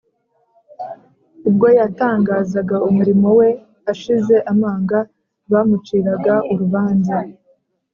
Ubwo yatangazaga umurimo We ashize amanga, abamuciraga urubanza